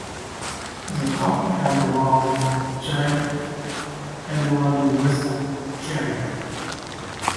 The couple had one child, Edward West Currier.